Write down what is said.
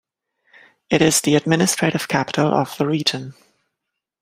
It is the administrative capital of the region.